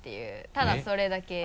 ただそれだけ。